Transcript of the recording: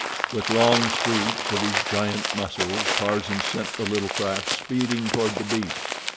With long sweeps of his giant muscles Tarzan sent the little craft speeding toward the beach.